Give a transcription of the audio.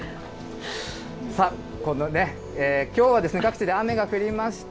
さあ、きょうは各地で雨が降りました。